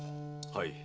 はい。